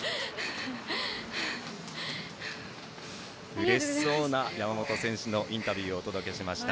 うれしそうな山本選手のインタビューをお伝えしました。